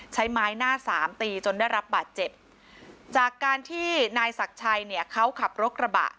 ใช้ไม้หน้าสามตีจนได้รับบาดเจ็บจากการที่นายศักดิ์ชัยเนี่ยเขาขับรถกระบะ